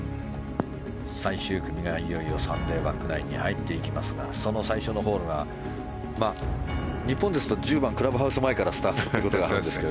最終組がいよいよサンデーバックナインに入っていきますがその最初のホールが日本ですと１０番、クラブハウスからスタートということがあるんですが。